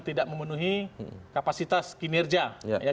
tidak memenuhi kapasitas kinerja